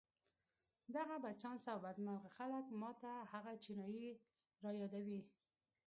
دغه بدچانسه او بدمرغه خلک ما ته هغه چينايي را يادوي.